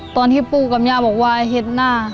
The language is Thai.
ตอนที่ปู่กับย่าบอกว่าเห็นหน้า